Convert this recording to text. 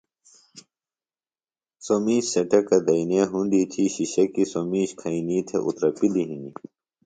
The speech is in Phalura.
سوۡ مِیش سےۡ ٹیۡکہ دئنیے ہُنڈی تھی شِشکیۡ سوۡ میش کھئنی تھےۡ اُترپِلیۡ ہنیۡ